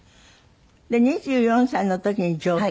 ２４歳の時に上京？